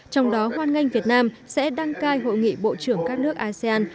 trong đó hoan nghênh việt nam sẽ đăng cai hội nghị bộ trưởng các nước asean